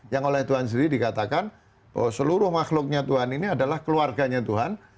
yang oleh tuhan sendiri dikatakan bahwa seluruh makhluknya tuhan ini adalah keluarganya tuhan